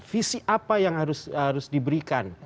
visi apa yang harus diberikan